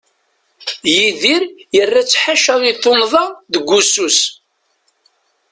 Yidir yerra-tt ḥaca i tunḍa deg ussu-s.